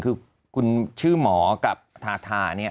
คือคุณเชื่อหมอกับธาธา